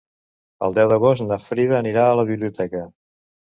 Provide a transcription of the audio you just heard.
El deu d'agost na Frida anirà a la biblioteca.